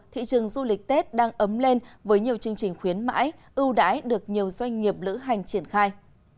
thị trường du lịch tết đang ấm lên với nhiều chương trình khuyến mãi ưu đãi được nhiều doanh nghiệp lữ hành triển khai